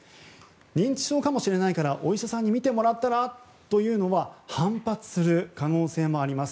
認知症かもしれないからお医者さんに診てもらったらと言うのは反発する可能性もあります。